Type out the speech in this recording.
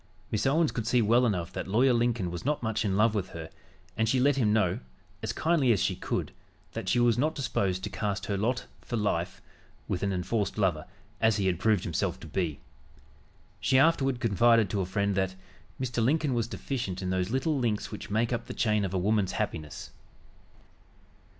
Miss Owens could see well enough that Lawyer Lincoln was not much in love with her, and she let him know, as kindly as she could, that she was not disposed to cast her lot for life with an enforced lover, as he had proved himself to be. She afterward confided to a friend that "Mr. Lincoln was deficient in those little links which make up the chain of a woman's happiness."